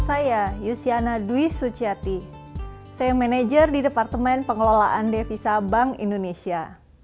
saya yusiana dwi suciati saya manajer di departemen pengelolaan devisa bank indonesia